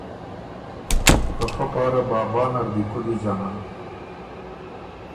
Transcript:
که فۀ پاره ”بابا“ نر دی کُولی ځنن،